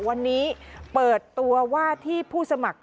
วันนี้เปิดตัวว่าที่ผู้สมัคร